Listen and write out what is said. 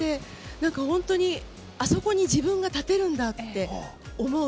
なんか、本当にあそこに自分が立てるんだって思う